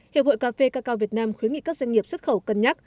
hiệp hội cà phê cà cao việt nam khuyến nghị các doanh nghiệp xuất khẩu cân nhắc